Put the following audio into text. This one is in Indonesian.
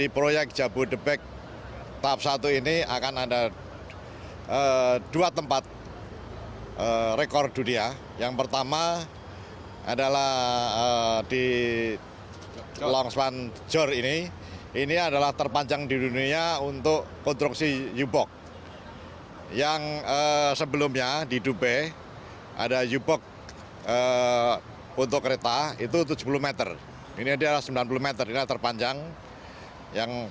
pembangunan jor dan jumat di jumat siang